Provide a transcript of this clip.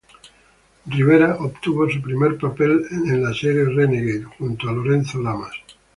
Rivera obtuvo su primer papel en la serie Renegade, junto a Lorenzo Lamas.